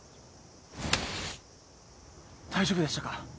大丈夫でしたか？